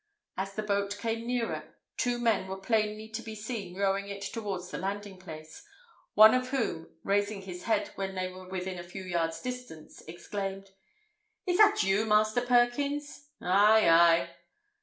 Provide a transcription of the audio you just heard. As the boat came nearer, two men were plainly to be seen rowing it towards the landing place, one of whom, raising his head when they were within a few yards' distance, exclaimed "Is that you, Master Perkins?" "Ay, ay!"